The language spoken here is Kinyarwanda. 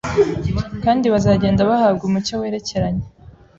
kandi bazagenda bahabwa umucyo werekeranye